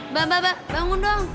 mbak mbak mbak bangun dong